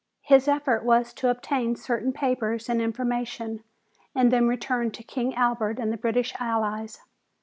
His effort was to obtain certain papers and information and then return to King Albert and the British Allies.